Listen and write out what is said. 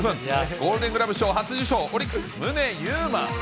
ゴールデン・グラブ賞初受賞、オリックス、宗ゆうま。